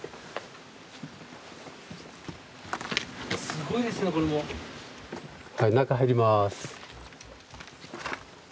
すごいですねこれも。はい中入ります。